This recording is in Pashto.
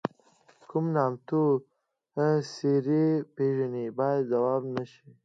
کومې نامتو څېرې پیژنئ باید ځواب شي.